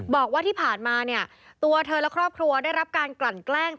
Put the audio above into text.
บอกว่าที่ผ่านมาเนี่ยตัวเธอและครอบครัวได้รับการกลั่นแกล้ง